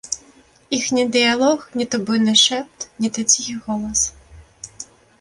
Іхні дыялог не то буйны шэпт, не то ціхі голас.